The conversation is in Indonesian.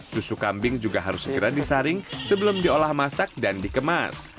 susu kambing juga harus segera disaring sebelum diolah masak dan dikemas